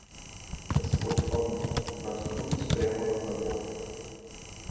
Господь помог, наткнулись прямо на забор.